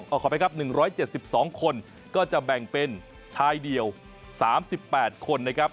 ขอไปครับ๑๗๒คนก็จะแบ่งเป็นชายเดียว๓๘คนนะครับ